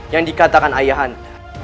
yang dikatakan ayahanda